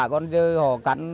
còn giờ họ cắn